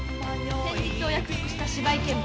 お約束した芝居見物